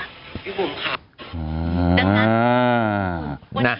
พี่บุ่มค่ะ